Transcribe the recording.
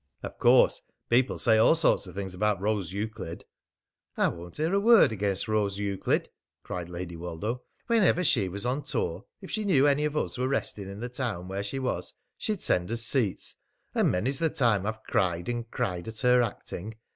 Of course people say all sorts of things about Rose Euclid " "I won't hear a word against Rose Euclid," cried Lady Woldo. "Whenever she was on tour, if she knew any of us were resting in the town where she was, she'd send us seats. And many's the time I've cried and cried at her acting.